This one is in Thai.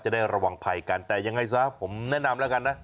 ได้ระวังภัยกันแต่ยังไงซะผมแนะนำแล้วกันนะ